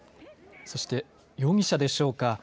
そして、容疑者でしょうか。